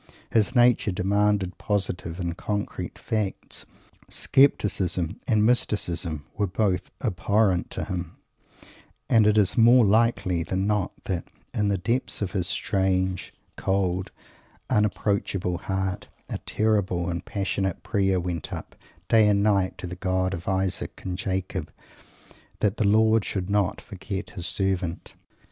His nature demanded positive and concrete facts. Scepticism and mysticism were both abhorrent to him; and it is more likely than not that, in the depths of his strange cold, unapproachable heart, a terrible and passionate prayer went up, day and night, to the God of Isaac and Jacob that the Lord should not forget his Servant.